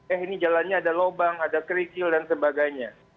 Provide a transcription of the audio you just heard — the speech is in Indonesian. eh ini jalannya ada lubang ada kerikil dan sebagainya